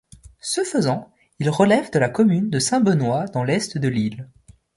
Ce faisant, il relève de la commune de Saint-Benoît, dans l'est de l'île.